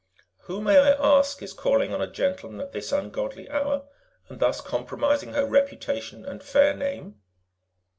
"Who, may I ask, is calling on a gentleman at this ungodly hour, and thus compromising her reputation and fair name?"